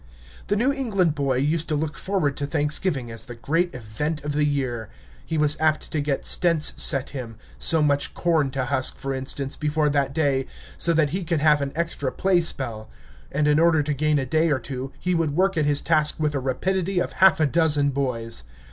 The New England boy used to look forward to Thanksgiving as the great event of the year. He was apt to get stents set him, so much corn to husk, for instance, before that day, so that he could have an extra play spell; and in order to gain a day or two, he would work at his task with the rapidity of half a dozen boys.